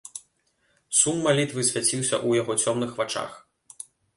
Сум малітвы свяціўся ў яго цёмных вачах.